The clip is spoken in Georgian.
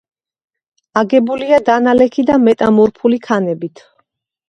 აგებულია დანალექი და მეტამორფული ქანებით.